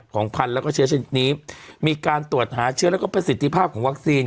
พันธุ์แล้วก็เชื้อชนิดนี้มีการตรวจหาเชื้อแล้วก็ประสิทธิภาพของวัคซีน